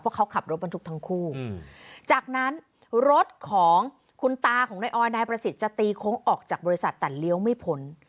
เพราะเขาขับรถบรรทุกทั้งคู่จากนั้นรถของคุณตาของนายออยนายประสิทธิ์จะตีโค้งออกจากบริษัทแต่เลี้ยวไม่พ้น